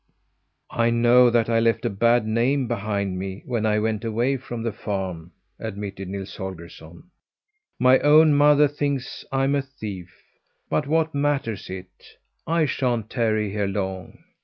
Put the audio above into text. "I know that I left a bad name behind me when I went away from the farm," admitted Nils Holgersson. "My own mother thinks I am a thief. But what matters it I sha'n't tarry here long.